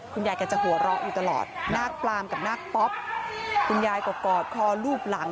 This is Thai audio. คุณยายกันจะหัวเราะอยู่ตลอดนาคปลามกับนาคป๊อบคุณยายกอบกอดคอลูบหลัง